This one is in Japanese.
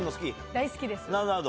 大好きです。